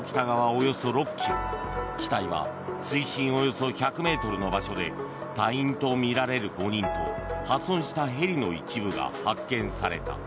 およそ６ｋｍ機体は水深およそ１００ｍの場所で隊員とみられる５人と破損したヘリの一部が発見された。